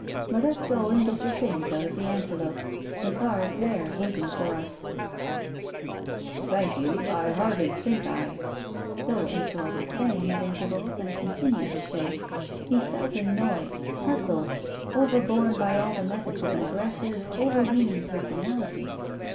Let us go and get your things out of the Antelope. The car's there — waiting for us "" Thank you — I hardly think I " so Ensor was saying at intervals, and continued to say. He felt annoyed, hustled, overborne by all the methods of an aggressive, overweening personality.